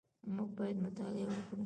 موږ باید مطالعه وکړو